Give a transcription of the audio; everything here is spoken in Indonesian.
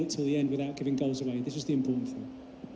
ini adalah hal yang penting